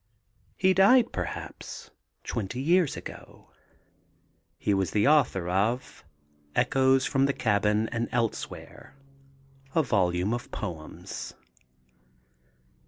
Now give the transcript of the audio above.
He died, perhaps, twenty years ago. He was the author of Echoes from The Cabin and Elsewhere, a volume of poems.